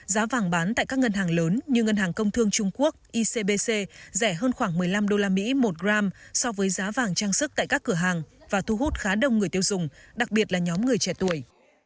giá vàng bán tại các ngân hàng lớn như ngân hàng công thương trung quốc icbc rẻ hơn khoảng một mươi năm usd một g so với giá vàng trang sức tại các cửa hàng và thu hút khá đông người tiêu dùng đặc biệt là nhóm người trẻ tuổi